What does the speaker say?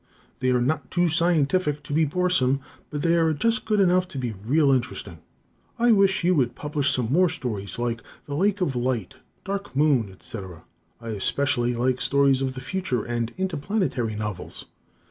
They are not too scientific to be boresome, but they are just good enough to be real interesting. I wish you would publish some more stories like "The Lake of Light," "Dark Moon," etc. I especially like stories of the future and interplanetary novels.